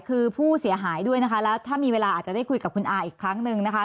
คือผู้เสียหายด้วยนะคะแล้วถ้ามีเวลาอาจจะได้คุยกับคุณอาอีกครั้งหนึ่งนะคะ